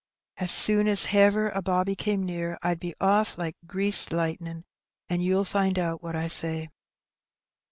As soon as hever a bobby came near I'd to be off like greased lightnin', and you'll find out what I say.